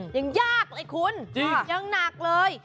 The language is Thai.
ยังยากเลยคุณยังหนักเลย